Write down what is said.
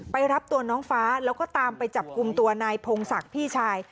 รับตัวน้องฟ้าแล้วก็ตามไปจับกลุ่มตัวนายพงศักดิ์พี่ชาย